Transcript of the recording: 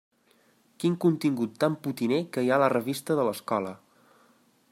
Quin contingut tan potiner que hi ha a la revista de l'escola!